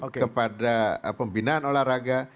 kepada pembinaan olahraga